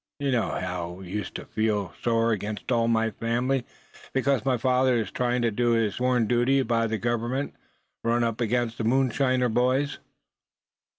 You know he used to feel right sore against all my family, because my father in trying to do his sworn duty by the Government, ran up against the moonshine boys."